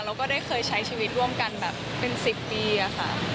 แล้วก็ได้เคยใช้ชีวิตร่วมกันแบบเป็น๑๐ปีค่ะ